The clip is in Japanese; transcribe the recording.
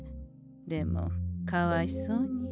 でもかわいそうに。